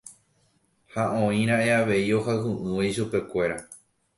Ha oira'e avei ohayhu'ỹva ichupekuéra.